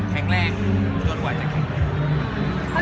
แข็งแรงจนกว่าจะแข็งแรง